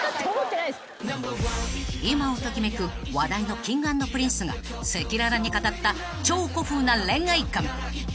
［今を時めく話題のＫｉｎｇ＆Ｐｒｉｎｃｅが赤裸々に語った超古風な恋愛観］